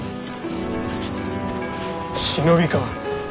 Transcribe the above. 忍びか。